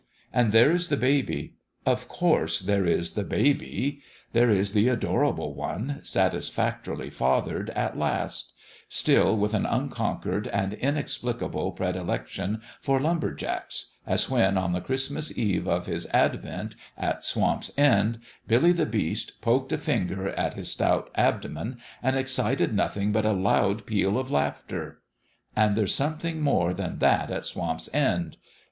And there is the baby. Of course there is the baby ! There is the Adorable One, satisfactorily fathered, at last : still with an un conquered and inexplicable predilection for lumber jacks, as when on the Christmas Eve of his advent at Swamp's End, Billy the Beast poked a finger at his stout abdomen and excited nothing but a loud peal of laughter. And there's something more than that at Swamp's End.